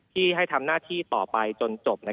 ที่ให้ทำหน้าที่ต่อไปจนจบ